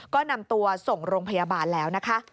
ก็นำตัวส่งโรงพยาบาลแล้วนะคะ